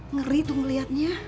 ngeri tuh ngeliatnya